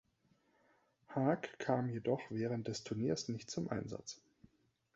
Haag kam jedoch während des Turniers nicht zum Einsatz.